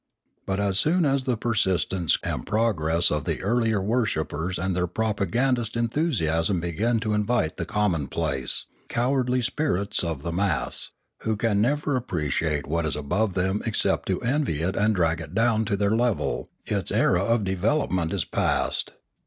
But as soon as the persistence and progress of the early wor shippers and their propagandist enthusiasm begin to invite the commonplace, cowardly spirits of the mass, Ethics 625 who can never appreciate what is above them except to envy it and drag it down to their level, its era of devel opment is past.